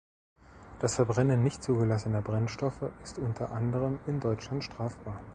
Das Verbrennen nicht zugelassener Brennstoffe ist unter anderem in Deutschland strafbar.